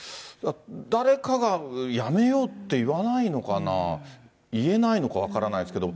誰かがやめようって言わないのかな、言えないのか分からないですけど。